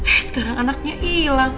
eh sekarang anaknya ini yaaahhh